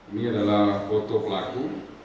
ini adalah foto pelaku